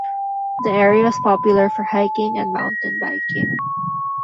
The area is popular for hiking and mountain biking.